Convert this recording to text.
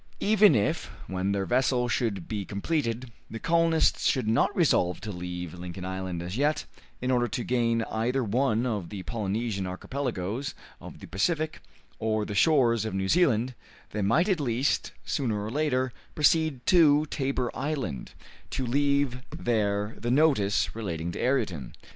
Even if, when their vessel should be completed, the colonists should not resolve to leave Lincoln Island as yet, in order to gain either one of the Polynesian Archipelagoes of the Pacific or the shores of New Zealand, they might at least, sooner or later, proceed to Tabor Island, to leave there the notice relating to Ayrton.